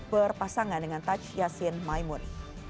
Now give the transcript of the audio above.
berpasangan dengan taj yassin maimun